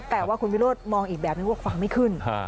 แต่ว่าคุณวิโรธมองอีกแบบนึงว่าฟังไม่ขึ้น